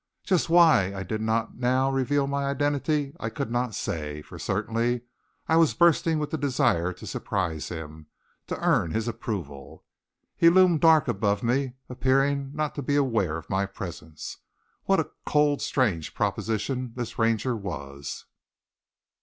Just why I did not now reveal my identity I could not say, for certainly I was bursting with the desire to surprise him, to earn his approval. He loomed dark above me, appearing not to be aware of my presence. What a cold, strange proposition this Ranger was!